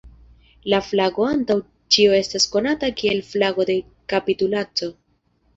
La flago antaŭ ĉio estas konata kiel flago de kapitulaco.